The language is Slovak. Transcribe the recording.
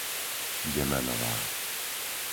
Demänová